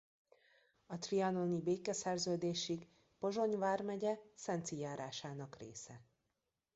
A trianoni békeszerződésig Pozsony vármegye Szenci járásának része.